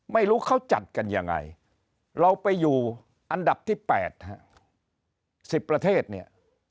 ไม่รู้เขาจัดกันยังไงเราไปอยู่อันดับที่๘ฮะ๑๐ประเทศเนี่ย